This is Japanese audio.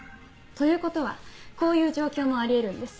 ということはこういう状況もあり得るんです。